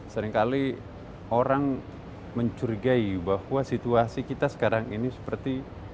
seringkali orang mencurigai bahwa situasi kita sekarang ini seperti